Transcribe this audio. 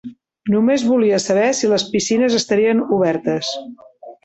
Només volia saber si les piscines estarien obertes.